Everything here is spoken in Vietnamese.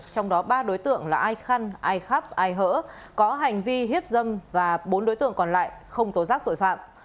trong đó ba đối tượng là ai khăn ai khắp ai hỡ có hành vi hiếp dâm và bốn đối tượng còn lại không tố giác tội phạm